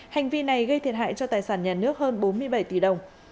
hành vi này gây thiệt hại cho tài sản nhà nước hơn bốn mươi bảy tỷ đồng